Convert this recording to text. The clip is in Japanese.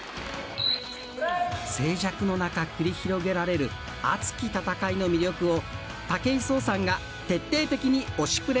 静寂の中、繰り広げられる熱き戦いの魅力を武井壮さんが徹底的に「推しプレ！」